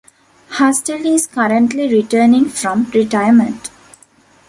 Hutsell is currently returning from retirement.